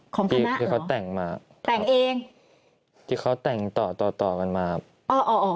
ของคณะเหรอที่เขาแต่งมาแต่งเองที่เขาแต่งต่อต่อต่อกันมาครับ